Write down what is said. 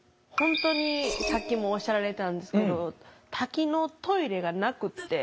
本当にさっきもおっしゃられたんですけど多機能トイレがなくって。